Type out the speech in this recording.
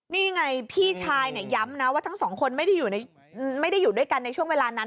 นี่ไงพี่ชายเนี่ยย้ำนะว่าทั้งสองคนไม่ได้อยู่ด้วยกันในช่วงเวลานั้น